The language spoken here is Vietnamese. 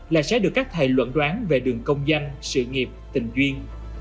là sẽ được các thầy luận đoán về đường công danh sự nghiệp tình duyên